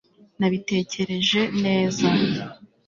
nabitekereje neza